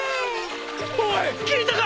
おい聞いたか！？